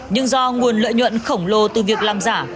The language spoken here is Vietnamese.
nhưng do nguồn lợi nhuận khổng lồ từ việc làm giả